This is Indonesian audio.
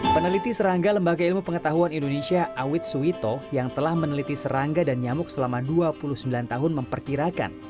peneliti serangga lembaga ilmu pengetahuan indonesia awit suito yang telah meneliti serangga dan nyamuk selama dua puluh sembilan tahun memperkirakan